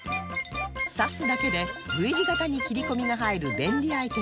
差すだけで Ｖ 字型に切り込みが入る便利アイテム